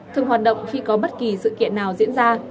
thường hoạt động khi có bất kỳ sự kiện nào diễn ra